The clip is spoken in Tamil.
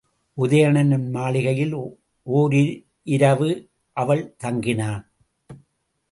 உதயணன் மாளிகையில் ஒரிரவு அவள் தங்கினாள்.